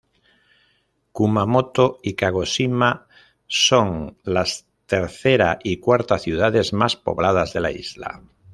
Kumamoto y Kagoshima son las tercera y cuarta ciudades más pobladas de la isla.